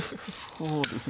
そうですね